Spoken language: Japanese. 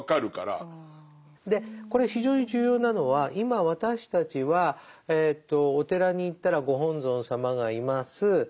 でこれ非常に重要なのは今私たちはお寺に行ったらご本尊様がいます。